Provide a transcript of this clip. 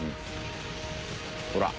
ほら。